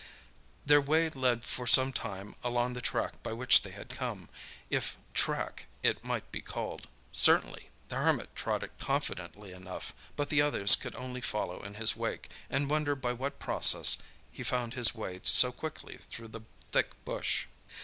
Their way led for some time along the track by which they had come, if "track" it might be called. Certainly, the Hermit trod it confidently enough, but the others could only follow in his wake, and wonder by what process he found his way so quickly through the thick bush.